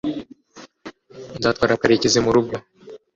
nzatwara karekezi murugo